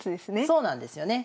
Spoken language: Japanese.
そうなんですよね。